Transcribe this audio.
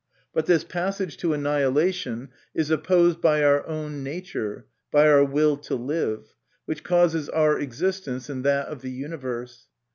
But this passage to annihilation is opposed by our own nature, by our will to live, which causes our own existence and that of the universe.